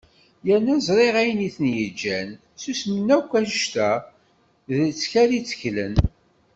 Yerna ẓriɣ ayen i ten-yeǧǧan susmen akk anect-a d lettkal i tteklen.